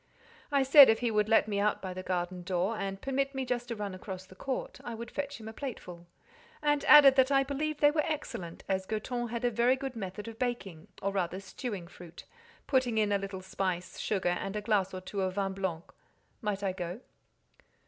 I said if he would let me out by the garden door, and permit me just to run across the court, I would fetch him a plateful; and added that I believed they were excellent, as Goton had a very good method of baking, or rather stewing fruit, putting in a little spice, sugar, and a glass or two of vin blanc—might I go?